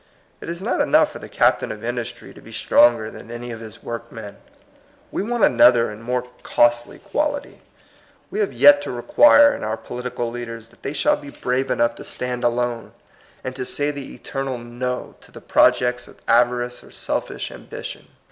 It is not enough for the captain of industry to be stronger than any of his workmen. We want another and more costly quality. We have yet to require in our political leaders that they shall be brave enougli to stand 44 TBE COMING PEOPLE. alone, and to say the eternal No to the pro jects of avarice or selfish ambition.